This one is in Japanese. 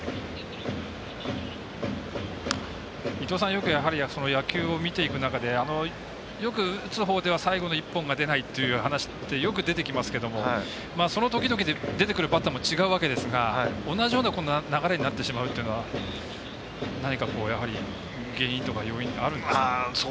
よく野球を見ていく中でよく打つほうでは最後の一本が出ない話ってよく出てきますけどその時々で出てくるバッターも違うわけですが同じような流れになってしまうというのは何か、原因とか要因あるんですか。